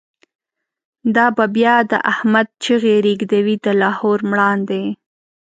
دا به بیا د« احمد» چیغی، ریږدوی د لاهور مړاندی